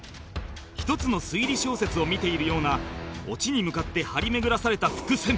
１つの推理小説を見ているようなオチに向かって張り巡らされた伏線